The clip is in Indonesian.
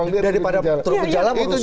daripada turun ke jalan merusak anak